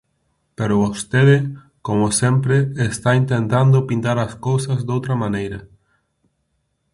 Pero vostede, coma sempre, está intentando pintar as cousas doutra maneira.